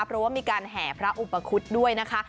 เพราะว่ามีการแห่พระอุปคุฎด้วยนะคะ